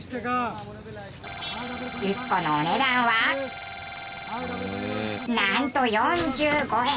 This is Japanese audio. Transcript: １個のお値段はなんと４５円！